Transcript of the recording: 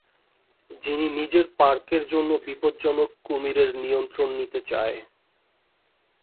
যিনি নিজের পার্কের জন্য বিপজ্জনক কুমিরের নিয়ন্ত্রণ নিতে চায়।